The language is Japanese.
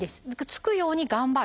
つくように頑張る。